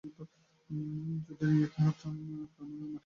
যদি ঐ খাদ ক্রমে মাটি বসে উঁচু হয়ে উঠে, তাহলেই মুশকিল।